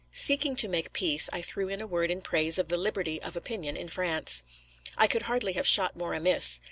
Seeking to make peace, I threw in a word in praise of the liberty of opinion in France. I could hardly have shot more amiss.